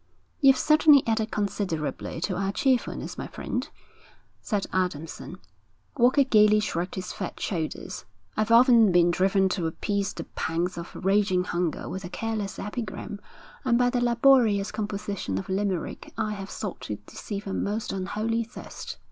'You've certainly added considerably to our cheerfulness, my friend,' said Adamson. Walker gaily shrugged his fat shoulders. 'I've often been driven to appease the pangs of raging hunger with a careless epigram, and by the laborious composition of a limerick I have sought to deceive a most unholy thirst.'